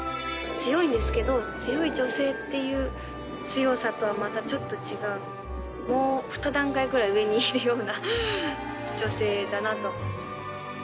強いんですけど強い女性っていう強さとはまたちょっと違うもうふた段階ぐらい上にいるような女性だなと思います。